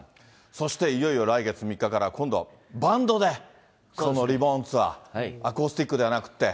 そして、いよいよ来月３日から、今度はバンドで、このリボーンツアー、アコースティックではなくて。